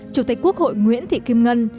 chủ tịch quốc hội nguyễn thị kim ngân